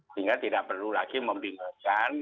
sehingga tidak perlu lagi membingungkan